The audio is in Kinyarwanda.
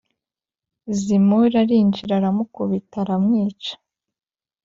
Zimuri arinjira aramukubita aramwica